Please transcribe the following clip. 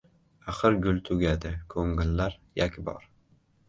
Axir gul tugadi ko‘ngillar yakbor